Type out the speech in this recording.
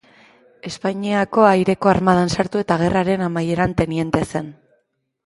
Espainiako Aireko Armadan sartu eta gerraren amaieran teniente zen.